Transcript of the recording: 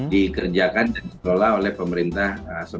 dikerjakan dan dikelola oleh pemerintah